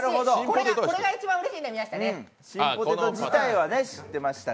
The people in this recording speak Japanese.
これが一番うれしいんね宮下ね。